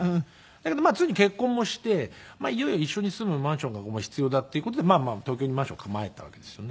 だけどついに結婚もしていよいよ一緒に住むマンションが必要だっていう事でまあまあ東京にマンション構えたわけですよね。